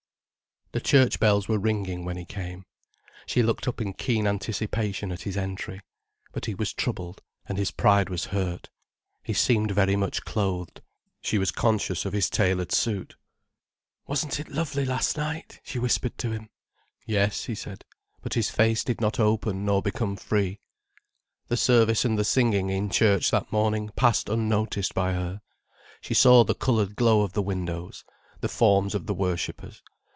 The church bells were ringing when he came. She looked up in keen anticipation at his entry. But he was troubled and his pride was hurt. He seemed very much clothed, she was conscious of his tailored suit. "Wasn't it lovely last night?" she whispered to him. "Yes," he said. But his face did not open nor become free. The service and the singing in church that morning passed unnoticed by her. She saw the coloured glow of the windows, the forms of the worshippers.